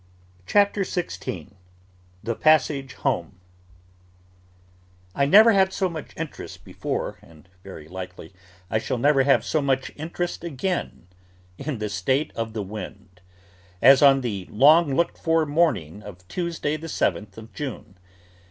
CHAPTER XVI THE PASSAGE HOME I NEVER had so much interest before, and very likely I shall never have so much interest again, in the state of the wind, as on the long looked for morning of Tuesday the Seventh of June.